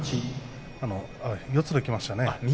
四つできましたね。